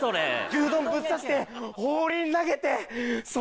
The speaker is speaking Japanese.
牛丼ぶっ刺して放り投げてそ